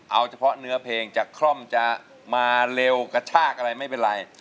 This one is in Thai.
เอาเฉพาะเนื้อเพลงจะคล่อมจะมาเร็วกระชากอะไรไม่เป็นไร